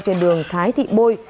trên đường thái thị bôi